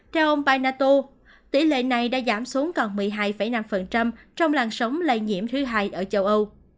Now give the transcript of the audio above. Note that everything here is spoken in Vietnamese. theo ông panato tỷ lệ này đã giảm xuống còn một mươi hai năm trong làn sóng lây nhiễm thứ hai ở châu âu